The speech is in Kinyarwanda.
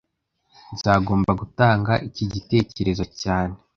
Nzagomba gutanga iki gitekerezo cyane